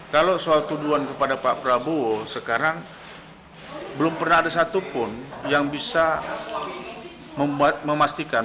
kalau soal tuduhan kepada pak prabowo sekarang belum pernah ada satupun yang bisa memastikan